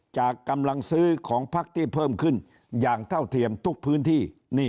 จากกำลังซื้อของพักที่เพิ่มขึ้นอย่างเท่าเทียมทุกพื้นที่